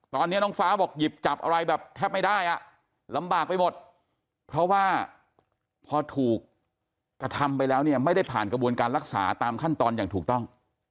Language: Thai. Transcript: ตอนนี้น้องฟ้าบอกหยิบจับอะไรแบบแทบไม่ได้อ่ะลำบากไปหมดเพราะว่าพอถูกกระทำไปแล้วเนี่ยไม่ได้ผ่านกระบวนการรักษาตามขั้นตอนอย่างถูกต้อง